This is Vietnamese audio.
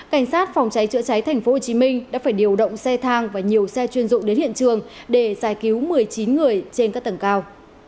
cảnh sát phòng cháy chữa cháy tp hcm đã phải điều động xe thang và nhiều xe chuyên dụng đến hiện trường để giải cứu một mươi chín người trên các tầng cao